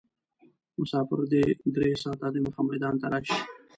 مسافر دې درې ساعته دمخه میدان ته راشي.